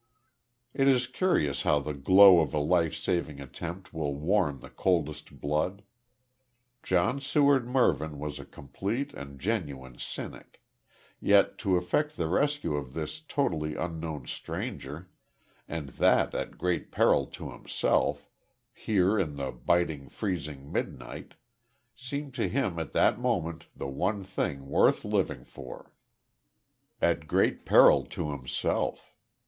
It is curious how the glow of a life saving attempt will warm the coldest blood. John Seward Mervyn was a complete and genuine cynic; yet to effect the rescue of this totally unknown stranger, and that at great peril to himself, here in the biting freezing midnight, seemed to him at that moment the one thing worth living for. At great peril to himself.